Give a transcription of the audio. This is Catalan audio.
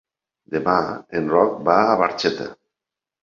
Demà en Roc va a Barxeta.